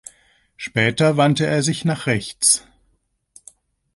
Später wandte er sich nach rechts.